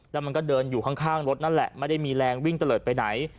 แล้วมันก็เดินอยู่ข้างรถนั่นแหละไม่ได้มีแรงวิ่งตะเลิศไปไหน